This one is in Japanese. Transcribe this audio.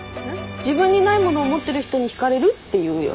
自分にないものを持ってる人に引かれるっていうよね。